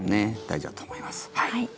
大事だと思います。